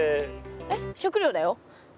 えっ食料だよ。